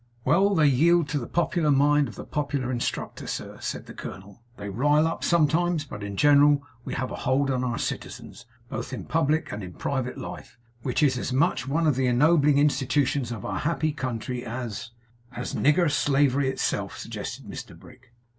'Well! They yield to the popular mind of the Popular Instructor, sir,' said the colonel. 'They rile up, sometimes; but in general we have a hold upon our citizens, both in public and in private life, which is as much one of the ennobling institutions of our happy country as ' 'As nigger slavery itself,' suggested Mr Brick.